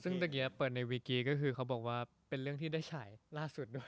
ซึ่งเมื่อกี้เปิดในวีกี้ก็คือเขาบอกว่าเป็นเรื่องที่ได้ฉายล่าสุดด้วย